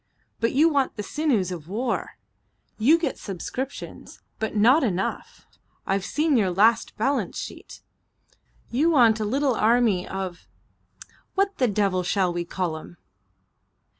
But you want the sinews of war. You get subscriptions, but not enough; I've seen your last balance sheet. You want a little army of what the devil shall we call 'em?"